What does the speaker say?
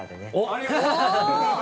ありがとうございます。